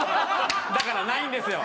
だからないんですよ。